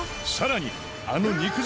さらにあのえ！